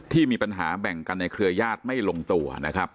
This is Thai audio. ที่มีปัญหาแบ่งกันในเครือญาติไม่ลงตัวนะครับ